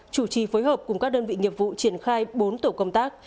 chủ trì phối hợp cùng các đơn vị nghiệp vụ triển khai bốn tổ công tác